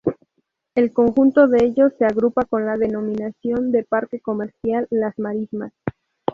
El conjunto de ellos se agrupa con la denominación de parque comercial "Las Marismas".